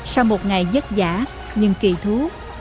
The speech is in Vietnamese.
sau một ngày giấc giả nhưng kỳ thú